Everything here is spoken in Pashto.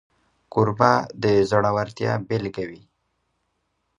کوربه د زړورتیا بيلګه وي.